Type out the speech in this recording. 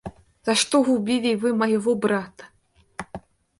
За что убили вы моего брата?